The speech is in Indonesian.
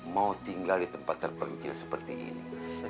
mau tinggal di tempat terpencil seperti ini